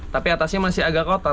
tapi atasnya masih agak kotor